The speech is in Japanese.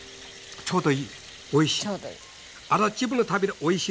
ちょうどいい。